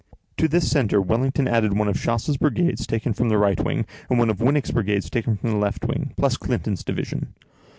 To this centre, Wellington added one of Chassé's brigades taken from the right wing, and one of Wincke's brigades taken from the left wing, plus Clinton's division.